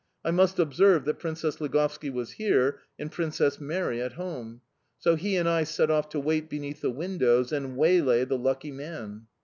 I must observe that Princess Ligovski was here, and Princess Mary at home. So he and I set off to wait beneath the windows and waylay the lucky man."